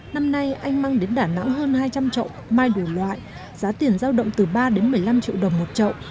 năm nay anh mang đến đà nẵng hơn hai trăm linh trậu mai đủ loại giá tiền giao động từ ba đến một mươi năm triệu đồng một chậu